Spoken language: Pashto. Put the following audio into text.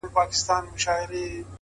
• بلل کیږي چي مرغان زه یې پاچا یم ,